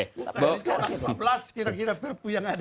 waktu itu delapan belas kira kira perpu yang ada